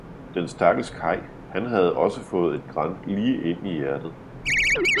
Den stakkels Kay han havde også fået et gran lige ind i hjertet.